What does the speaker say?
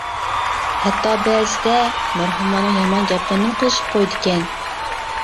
ھەتتا بەزىدە مەرھۇملارنىڭ يامان گەپلىرىنىمۇ قىلىشىپ قويىدىكەن.